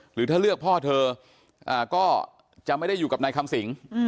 หรือถ้าเลือกพ่อเธอก็จะไม่ได้อยู่กับนายคำสิง